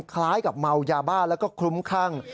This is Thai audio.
คล้ายกับเมายาบ้าแล้วก็คลุ้มคลั่ง